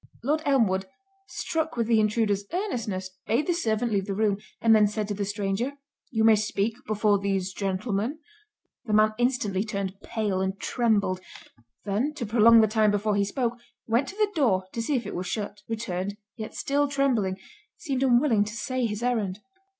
Lord Elmwood, struck with the intruder's earnestness, bade the servant leave the room; and then said to the stranger, "You may speak before these gentlemen." The man instantly turned pale, and trembled—then, to prolong the time before he spoke, went to the door to see if it was shut—returned—yet still trembling, seemed unwilling to say his errand.